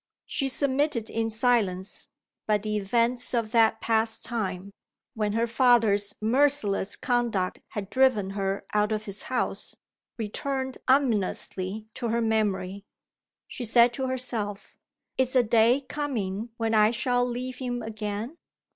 She submitted in silence. But the events of that past time, when her father's merciless conduct had driven her out of his house, returned ominously to her memory. She said to herself: "Is a day coming when I shall leave him again?"